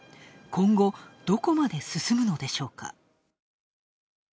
今後、どこまで進むのでしょうか。